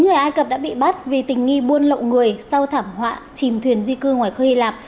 chín người ai cập đã bị bắt vì tình nghi buôn lậu người sau thảm họa chìm thuyền di cư ngoài khơi hy lạp